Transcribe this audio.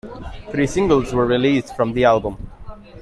Three singles were released from the album.